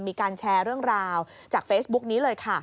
มีการแชร์เรื่องราวจากเฟซบุ๊กนี้เลยค่ะ